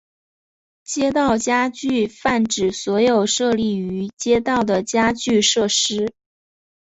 街道家具泛指所有设立于街道的家具设施。